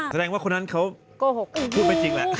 แสดงว่าคนนั้นเขาโกหกพูดไม่จริงแหละ